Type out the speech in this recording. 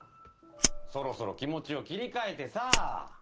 そろそろ気持ちを切り替えてさぁ。